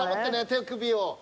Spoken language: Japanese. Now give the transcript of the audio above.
手首を。